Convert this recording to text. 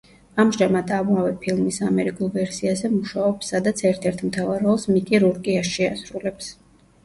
ამჟამად ამავე ფილმის ამერიკულ ვერსიაზე მუშაობს, სადაც ერთ-ერთ მთავარ როლს მიკი რურკი შეასრულებს.